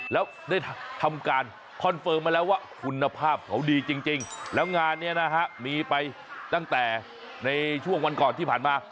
แล้วได้ทำการคอนเฟิร์มมาแล้วว่าคุณภาพเขาดีจริงแล้วงานนี้นะฮะมีไปตั้งแต่ในช่วงวันก่อนที่ผ่านมา